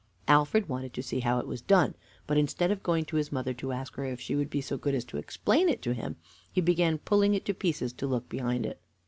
Alfred wanted to see how it was done, but, instead of going to his mother to ask her if she would be so good as to explain it to him, he began pulling it to pieces to look behind it.